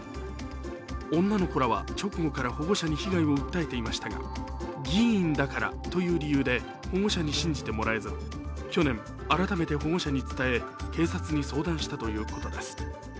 女の子らは直後から保護者に被害を訴えていましたが議員だからという理由で保護者に信じてもらえず去年、改めて保護者に伝え警察に相談したということです。